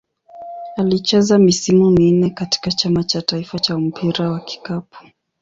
Alicheza misimu minne katika Chama cha taifa cha mpira wa kikapu.